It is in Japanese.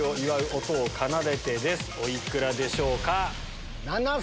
お幾らでしょうか？